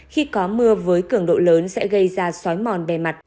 khi có mưa với cường độ lớn sẽ gây ra sói mòn bề mặt